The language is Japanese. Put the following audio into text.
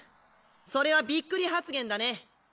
それはびっくり発言だね。